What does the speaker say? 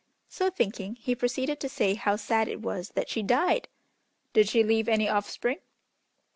So thinking, he proceeded to say how sad it was that she died! "Did she leave any offspring?"